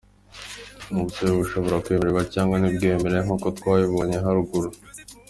Ubusabe bushobora kwemerwa cyangwa ntibwemerwe nk’uko twabibonye haruguru.